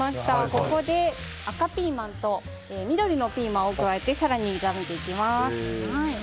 ここで赤ピーマンと緑のピーマンを加えて更に炒めていきます。